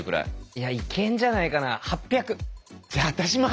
いやいけんじゃないかな。